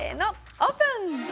オープン！